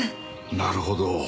なるほど。